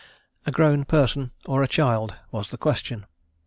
A grown person or a child was the question.